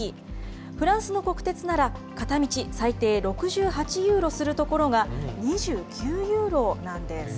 フランスの国鉄なら、片道最低６８ユーロするところが２９ユーロなんです。